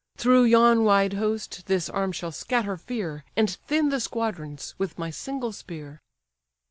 Through yon wide host this arm shall scatter fear, And thin the squadrons with my single spear."